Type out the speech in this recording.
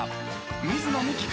水野美紀君